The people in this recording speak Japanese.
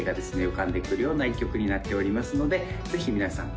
浮かんでくるような一曲になっておりますのでぜひ皆さん